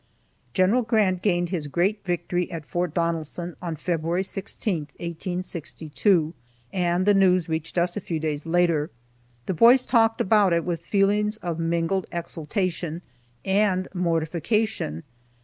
General Grant gained his great victory at Fort Donelson on February 16, 1862, and the news reached us a few days later. The boys talked about it with feelings of mingled exultation, and mortification.